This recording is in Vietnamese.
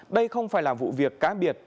đây không phải là vụ việc cá biệt